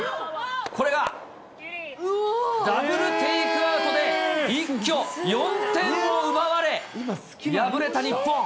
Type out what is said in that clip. これがダブルテイクアウトで、一挙４点を奪われ、敗れた日本。